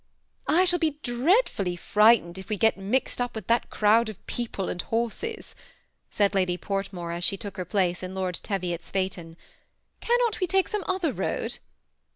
'' I shall be dreadfully frightened if we get mixed up THE SEMI ATTACHED COUPLE. 119 with that crowd of people and horses," said Lady Port more, as she took her place in Lord Teviot's phaeton. " Cannot we take some other road